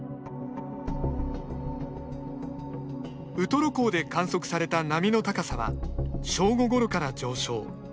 ウトロ港で観測された波の高さは、正午ごろから上昇。